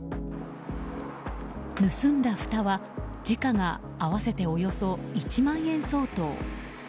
盗んだふたは、時価が合わせておよそ１万円相当。